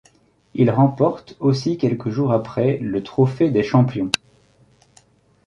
Il remporte aussi quelques jours après le Trophée des champions.